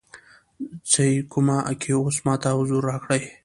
څې کومه کې اوس ماته حضور راکړی